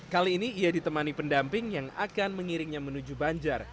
kali ini ia ditemani pendamping yang akan mengiringnya menuju banjar